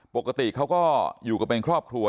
ปกติเขาก็อยู่กันเป็นครอบครัว